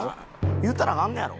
言うたらアカンのやろ？